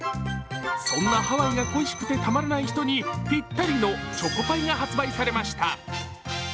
そんなハワイが恋しくてたまらない人にぴったりのチョコパイが発売されました。